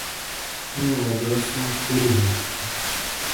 ہن وجوسم کُری ہی